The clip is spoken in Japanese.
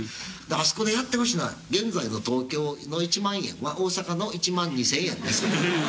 あそこでやっていました現在の東京の１万円は大阪の１万２０００円ですと。